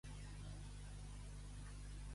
Fer lluminàries perquè la gata ha gatinat.